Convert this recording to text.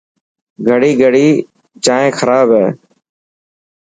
گڙي گڙي جائين خراب هي.